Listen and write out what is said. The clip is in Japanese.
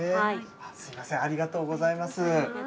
すみません、ありがとうございます。